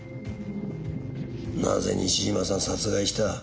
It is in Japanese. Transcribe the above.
なぜ西島さん殺害した？